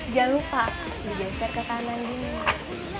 jangan lupa digeser ke kanan duluan